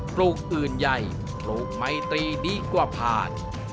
ปลูกอื่นใหญ่ปลูกไมตรีดีกว่าผ่าน